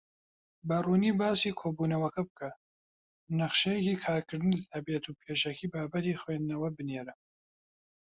بەڕوونی باسی کۆبوونەوەکە بکە، نەخشەیەکی کارکردنت هەبێت، و پێشەکی بابەتی خویندنەوە بنێرە.